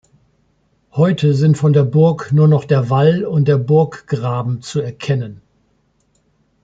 Heute sind von der Burg nur noch der Wall und der Burggraben zu erkennen.